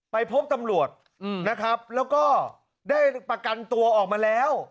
ไปพบตำรวจนะครับแล้วก็ได้ประกันตัวออกมาแล้ว